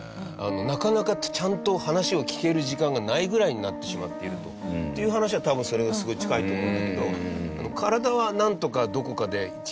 なかなかちゃんと話を聴ける時間がないぐらいになってしまっていると。っていう話は多分それがすごい近いと思うんだけど。